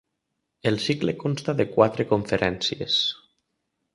El cicle consta de quatre conferències.